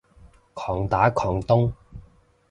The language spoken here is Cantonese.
狂打狂咚